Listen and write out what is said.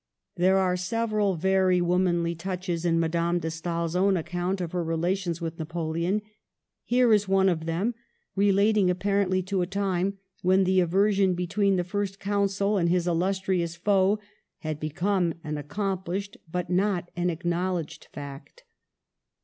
There are several very womanly touches in Madame de Stael's own account of her relations with Napoleon. Here is one of them, relating apparently to a time when the aversion between the First Consul and his illustrious foe had . become an accomplished but not an acknowl edged fact.